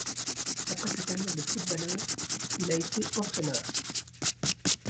Après sa carrière de footballeur, il a été entraîneur.